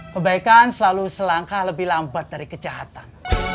kebaikan selalu selangkah lebih lambat dari kejahatan